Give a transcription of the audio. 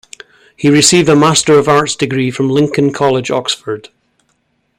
He received a Master of Arts degree from Lincoln College, Oxford.